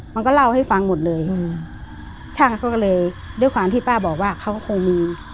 มันก็เล่าให้ฟังหมดเลยอืมช่างเขาก็เลยด้วยความที่ป้าบอกว่าเขาก็คงมี